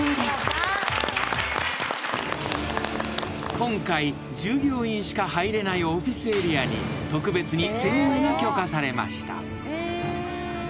［今回従業員しか入れないオフィスエリアに特別に潜入が許可されました］